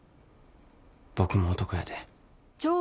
僕も男やで。